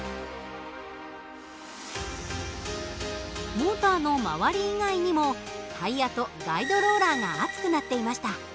モーターの周り以外にもタイヤとガイドローラーが熱くなっていました。